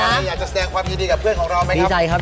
อยากจะแสดงความยินดีกับเพื่อนของเราไหมครับ